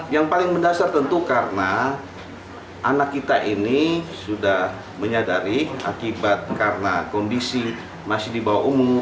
yang paling mendasar tentu karena anak kita ini sudah menyadari akibat karena kondisi masih di bawah umur